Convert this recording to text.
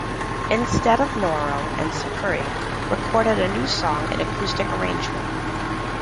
Instead, Noro and Sakurai recorded a new song in Acoustic Arrangement.